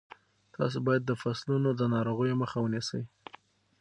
تاسو باید د فصلونو د ناروغیو مخه ونیسئ.